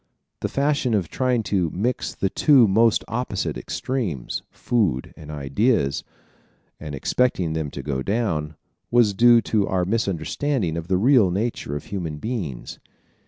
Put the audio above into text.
The fashion of trying to mix the two most opposite extremes food and ideas and expecting them to go down, was due to our misunderstanding of the real nature of human beings.